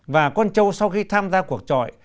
và con châu sau khi tham gia cuộc trọi